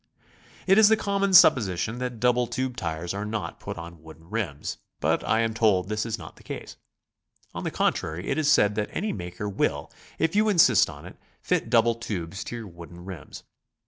It is the common supposition that double tube tires are not put on wooden rims, but I am told this is not the case. On the contrary, it is said that any 'maker will, if you insist on . BICYCLE TOURING. 97 it, fit double tubes to your wooden rims.